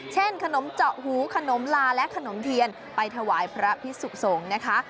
ขนมเจาะหูขนมลาและขนมเทียนไปถวายพระพิสุขสงฆ์นะคะ